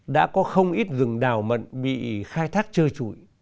đã có không ít rừng đào mận bị khai thác chơi chuỗi